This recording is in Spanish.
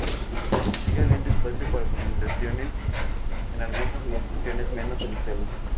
Sigue habiendo espacio para optimizaciones en algunas de las funciones menos habituales.